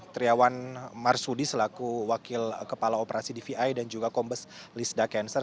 triawan marsudi selaku wakil kepala operasi dvi dan juga kombes lisda cancer